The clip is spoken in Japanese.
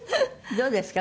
どうですか？